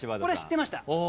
これ知ってました。